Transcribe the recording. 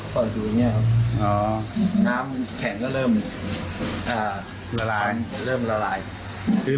ประตูอย่างเงี้ยอ๋อน้ำแข็งก็เริ่มอ่าละลายเริ่มละลายคือ